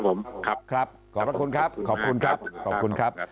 ผมครับครับขอบพระคุณครับขอบคุณครับขอบคุณครับ